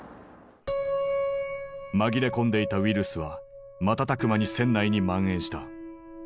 紛れ込んでいたウイルスは瞬く間に船内に蔓延した。